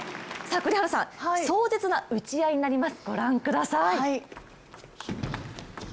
栗原さん、壮絶な打ち合いになります、ご覧ください。